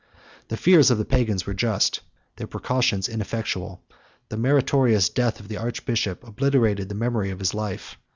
122 The fears of the Pagans were just, and their precautions ineffectual. The meritorious death of the archbishop obliterated the memory of his life.